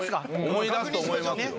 思い出すと思いますよ。